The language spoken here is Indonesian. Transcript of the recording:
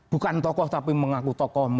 bukan tokoh tapi mengaku tokoh